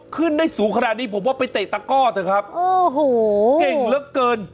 เก่งระเกิน